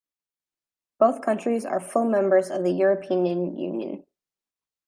Both countries are full members of the European Union.